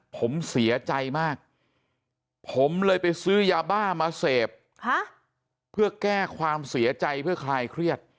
ผมเสียใจมากผมเลยไปซื้อยาบ้ามาเสพเพื่อแก้ความเสียใจเพื่อคลายเครียด